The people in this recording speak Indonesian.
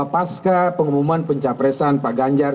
pesca pengumuman pencapresan pak ganjar virgo